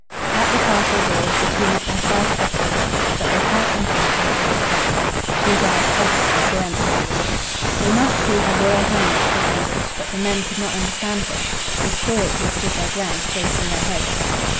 At the castle doors the two met their first obstacle, but they had anticipated its presence Two guards halted them peremptorily. "We must see Her Royal Highness," said Anguish, but the men could not understand him. They stoically stood their ground, shaking their heads.